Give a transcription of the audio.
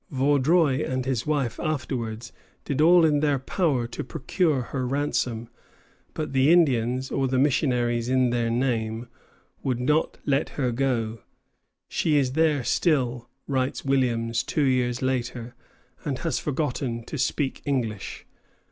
Vaudreuil and his wife afterwards did all in their power to procure her ransom; but the Indians, or the missionaries in their name, would not let her go. "She is there still," writes Williams two years later, "and has forgotten to speak English."